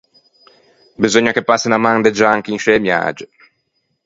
Beseugna che passe unna man de gianco in scê miage.